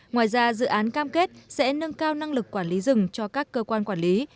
ngoài ra dự án cam kết sẽ nâng cao năng lực quản lý rừng cho các cơ quan quản lý